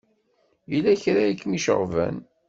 Yella kra i kem-iceɣben?